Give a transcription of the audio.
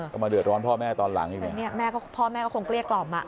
ก็มาเดือดร้อนพ่อแม่ตอนหลังอีกเนี่ยพ่อแม่ก็คงเกลียดกล่อม